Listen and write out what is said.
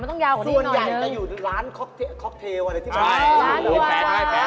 มันยากที่เราจะเจอ